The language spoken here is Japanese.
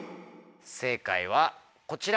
正解はこちら。